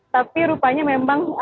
tapi rupanya memang